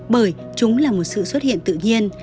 bởi chúng là một sự xuất hiện tự nhiên